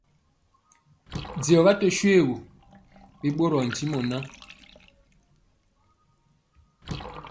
Diɔga tö shoégu, bi ɓorɔɔ ntimɔ ŋan,